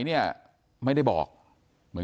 เอาเป็นว่าอ้าวแล้วท่านรู้จักแม่ชีที่ห่มผ้าสีแดงไหม